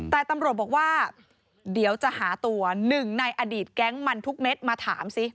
แต่ตำรวจบอกว่าเดี๋ยวจะหาตัวหนึ่งในอดีตแก๊งมันทุกเม็ดมาถามสิ